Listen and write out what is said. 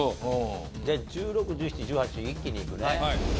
じゃあ、１６、１７、１８、一気にいくね。